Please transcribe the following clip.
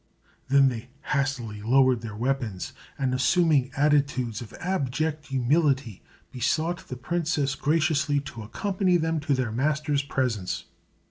Then they hastily lowered their weapons, and assuming attitudes of abject humility, besought the princess graciously to accompany them to their master's presence.